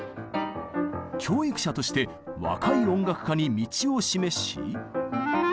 教育者として若い音楽家に道を示し。